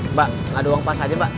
mbak nggak ada uang pas aja mbak